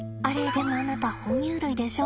でもあなた哺乳類でしょ？